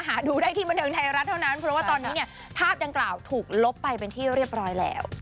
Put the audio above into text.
หาดูได้ที่บันเทิงไทยรัฐเท่านั้นเพราะว่าตอนนี้เนี่ยภาพดังกล่าวถูกลบไปเป็นที่เรียบร้อยแล้ว